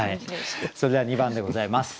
それでは２番でございます。